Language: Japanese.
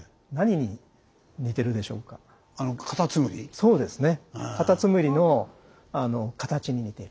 そうですね。